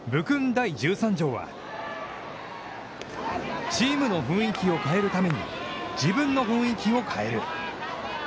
第１３条はチームの雰囲気を変えるために自分の雰囲気を変える。